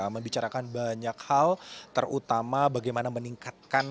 membicarakan banyak hal terutama bagaimana meningkatkan